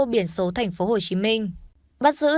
biển số tp hcm bắt giữ